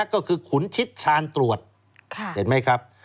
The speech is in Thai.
ก็คือขุนชิดชาญตรวจเห็นไหมครับ